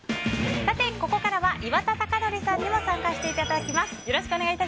ここからは岩田剛典さんにも参加していただきます。